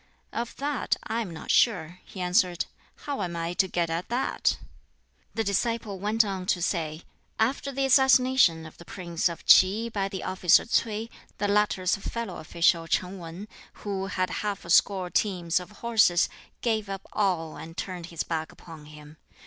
"Of that I am not sure," he answered; "how am I to get at that?" The disciple went on to say: "After the assassination of the prince of Ts'i by the officer Ts'ui, the latter's fellow official Ch'in Wan, who had half a score teams of horses, gave up all, and turned his back upon him.